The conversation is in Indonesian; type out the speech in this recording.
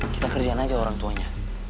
kita kerjain aja orang tuanya